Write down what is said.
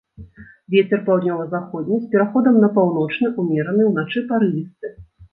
Вецер паўднёва-заходні з пераходам на паўночны ўмераны, уначы парывісты.